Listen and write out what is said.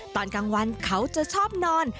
ตอนกลางวันเขาจะชอบนอน